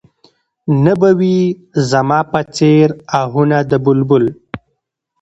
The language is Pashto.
نه به وي زما په څېر اهونه د بلبل